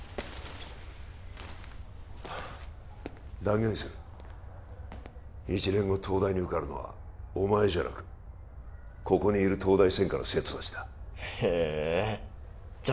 ああ断言する１年後東大に受かるのはお前じゃなくここにいる東大専科の生徒達だへえじゃ